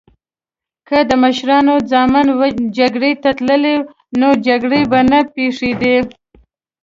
که د مشرانو ځامن جګړی ته تللی نو جګړې به نه پیښیدی